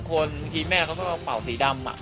เมื่อกี้แม่เขาก็เป่าสีดำอ่ะ